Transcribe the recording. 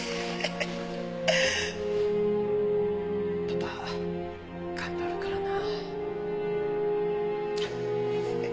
パパ頑張るからな。